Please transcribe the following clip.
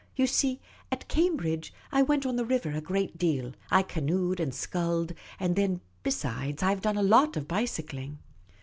" You see, at Cambridge, I went on the river a great deal — I canoed and sculled ; and then, besides, I 've done a lot of bicycling."